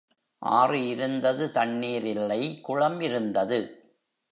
ஆறு இருந்தது தண்ணீர் இல்லை, குளம் இருந்தது.